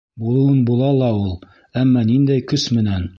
Булыуын була ла ул, әммә ниндәй көс менән?